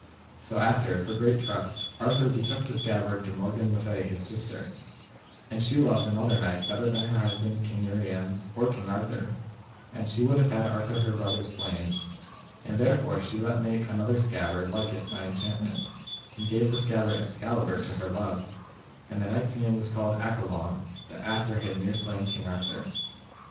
So after, for great trust, Arthur betook the scabbard to Morgan le Fay his sister, and she loved another knight better than her husband King Uriens or King Arthur, and she would have had Arthur her brother slain, and therefore she let make another scabbard like it by enchantment, and gave the scabbard Excalibur to her love; and the knight's name was called Accolon, that after had near slain King Arthur.